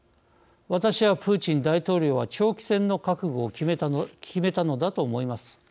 私は、プーチン大統領は長期戦の覚悟を決めたのだと思います。